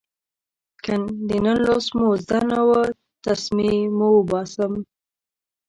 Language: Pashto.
که د نن لوست مو زده نه و، تسمې مو اوباسم.